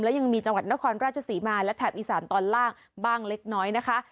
และยังมีจังหวัดนครราชศรีมาและแถบอีสานตอนล่างบ้างเล็กน้อยนะคะ